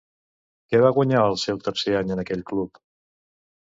Què va guanyar al seu tercer any en aquell club?